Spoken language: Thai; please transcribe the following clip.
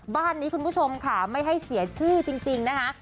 บ้านนี้คุณผู้ชมค่ะไม่ให้เสียชื่อจริงนะคะ